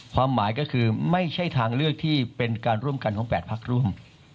ความหมายก็คือไม่ใช่ทางเลือกที่เป็นการร่วมกันของ๘พักร่วม